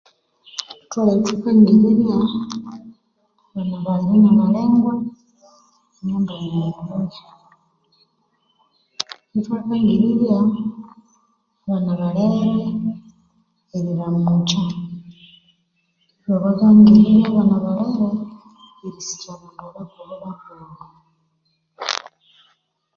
Thutholere ithwa kangirirya abanabalere nabalengwa ithwakangirirya abana abalere eriramukya, ithwabakangirirya abana balere erisikya abandu abakulhu bakulhu.